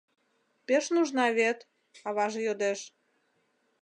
— Пеш нужна вет? — аваже йодеш.